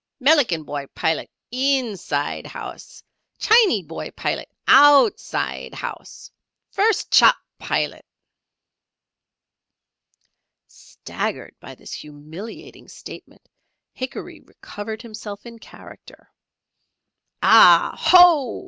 "Melican boy Pilat inside housee; Chinee boy Pilat outside housee. First chop Pilat." Staggered by this humiliating statement, Hickory recovered himself in character. "Ah! Ho!"